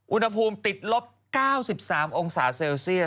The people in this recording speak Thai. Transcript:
อุณหภูมิติดลบ๙๓องศาเซลเซียส